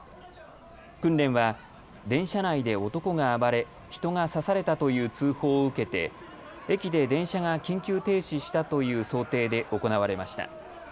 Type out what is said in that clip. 訓練は電車内で男が暴れ人が刺されたという通報を受けて駅で電車が緊急停止したという想定で行われました。